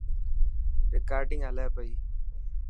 رڪارڊنگ هلي پئي.